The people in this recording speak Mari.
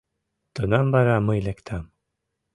Тунам вара мый лектам